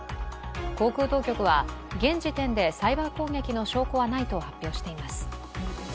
航空当局は、現時点でサイバー攻撃の証拠はないと発表しています。